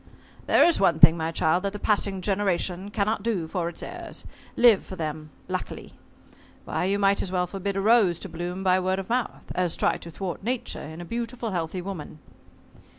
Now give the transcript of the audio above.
"There is one thing, my child, that the passing generation cannot do for its heirs live for them luckily. Why, you might as well forbid a rose to blossom by word of mouth, as try to thwart nature in a beautiful healthy woman."